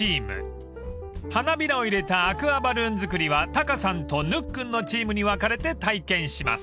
［花びらを入れたアクアバルーン作りはタカさんとぬっくんのチームに分かれて体験します］